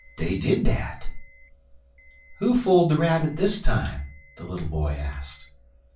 Dey did dat." "Who fooled the Rabbit this time?" the little boy asked.